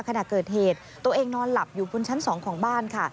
ขณะเกิดเหตุตัวเองนอนหลับอยู่บนชั้น๒ของบ้านค่ะ